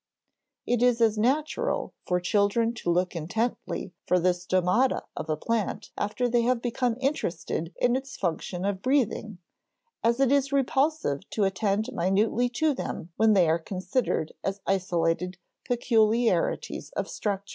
It is as natural for children to look intently for the stomata of a plant after they have become interested in its function of breathing, as it is repulsive to attend minutely to them when they are considered as isolated peculiarities of structure.